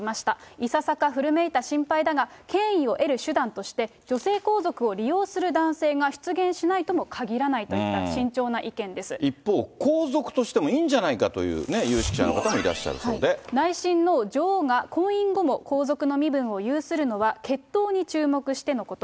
いささか古めいた心配だが、権威を得る手段として女性皇族を利用する男性が出現しないとも限一方、皇族としてもいいんじゃないかという有識者の方もいらっしゃるそ内親王、女王が婚姻後も皇族の身分を有するのは、血統に注目してのこと。